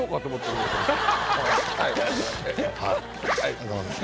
ありがとうございます。